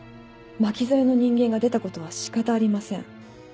巻き添えの人間が出たことは仕方ありません。